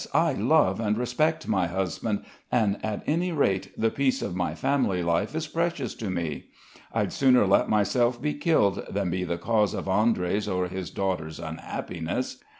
I love and respect my husband and at any rate the peace of my family life is precious to me. I'd sooner let myself be killed than be the cause of Andrey's or his daughter's unhappiness.